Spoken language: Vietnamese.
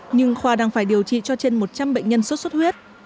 nhưng khoa đang phải điều trị cho trên một trăm linh bệnh nhân sốt xuất huyết